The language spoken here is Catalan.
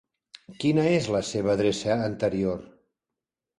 Quina és la seva adreça anterior?